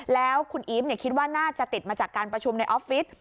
แล้วคุณอีฟคิดว่าน่าจะติดมาจากการประชุมในออฟฟิศ